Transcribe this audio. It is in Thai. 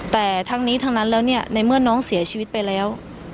แต่ทั้งนี้ทั้งนั้นแล้วเนี่ยในเมื่อน้องเสียชีวิตไปแล้ว